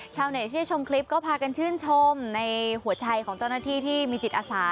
ชาวเน็ตที่ได้ชมคลิปก็พากันชื่นชมในหัวใจของเจ้าหน้าที่ที่มีจิตอาสา